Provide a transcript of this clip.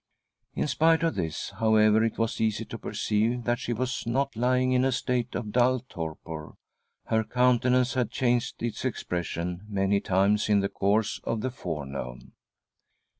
In spite of this, however, it was easy to perceive that she was not lying in a state of dull torpor — her countenance had changed its expression many times in the course of the forenoon.